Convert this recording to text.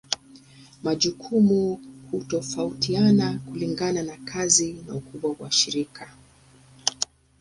Majukumu hutofautiana kulingana na kazi na ukubwa wa shirika.